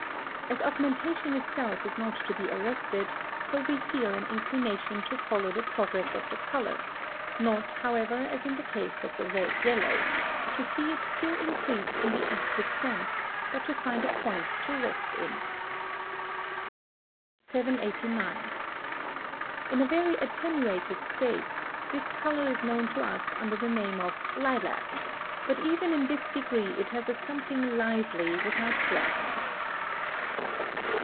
As augmentation itself is not to be arrested, so we feel an inclination to follow the progress of the colour, not, however, as in the case of the red yellow, to see it still increase in the active sense, but to find a point to rest in. 789. In a very attenuated state, this colour is known to us under the name of lilac; but even in this degree it has a something lively without gladness.